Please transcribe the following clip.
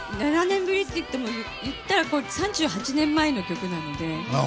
７年ぶりといっても言ったら、３８年前の曲なので。